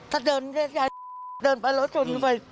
ถ้าเดินยายเดินไปรถทุนไป